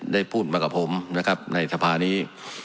ได้พูดมากับผมนะครับในสภานี้